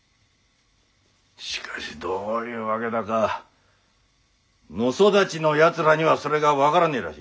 しかしどういうわけだか野育ちのやつらにはそれが分からねえらしい。